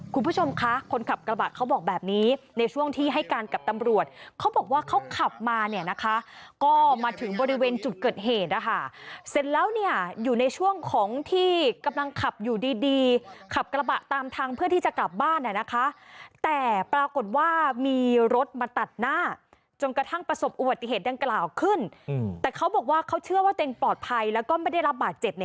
คุณผู้ชมคะคนขับกระบะเขาบอกแบบนี้ในช่วงที่ให้การกับตำรวจเขาบอกว่าเขาขับมาเนี่ยนะคะก็มาถึงบริเวณจุดเกิดเหตุนะคะเสร็จแล้วเนี่ยอยู่ในช่วงของที่กำลังขับอยู่ดีดีขับกระบะตามทางเพื่อที่จะกลับบ้านนะคะแต่ปรากฏว่ามีรถมาตัดหน้าจนกระทั่งประสบอุบัติเหตุดังกล่าวขึ้นแต่เขาบอกว่าเขาเชื่อว่าตัวเองปลอดภัยแล้วก็ไม่ได้รับบาดเจ็บ